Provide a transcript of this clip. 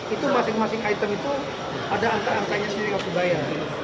itu masing masing item itu ada antar antaranya sendiri yang sudah ada